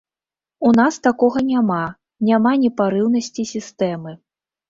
У нас такога няма, няма непарыўнасці сістэмы.